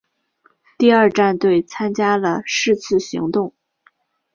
第二战队参加了是次行动。